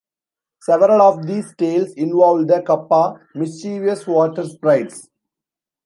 Several of these tales involve the Kappa, mischievous water sprites.